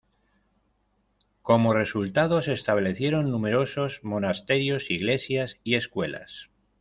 Como resultado, se establecieron numerosos monasterios, iglesias y escuelas.